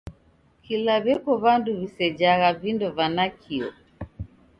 Kila w'eko w'andu w'isejagha vindo va nakio!